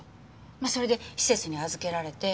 まあそれで施設に預けられて。